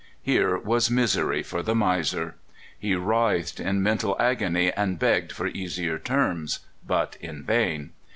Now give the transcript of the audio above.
Here was misery for the miser. He writhed in mental agony, and begged for easier terms, but in vain.